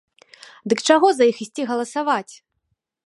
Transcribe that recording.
Дык чаго за іх ісці галасаваць?!